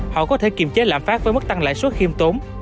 họ có thể kiềm chế lạm phát với mức tăng lãi suất khiêm tốn